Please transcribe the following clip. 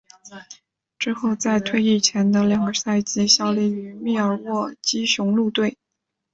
之后在退役前的两个赛季效力于密尔沃基雄鹿队。